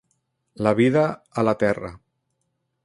La vida a la Terra.